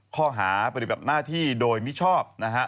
ข้อหาปฏิบัติหน้าที่โดยมิชอบนะฮะ